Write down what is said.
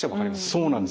そうなんです。